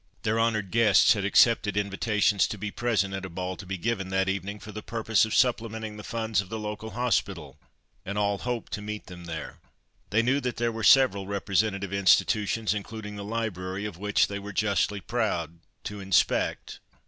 Their honoured guests had accepted invitations to be present at a ball to be given that evening for the purpose of supplementing the funds of the local hospital, and all hoped to meet them there. They knew that there were several representative institutions, including the library, of which they were justly proud, to inspect.